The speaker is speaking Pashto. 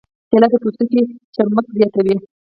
کېله د پوستکي چمک زیاتوي.